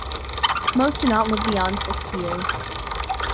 Most do not live beyond six years.